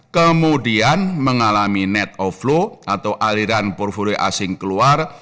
kemudian mengalami net of flow atau aliran portfolio asing keluar